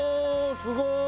すごい！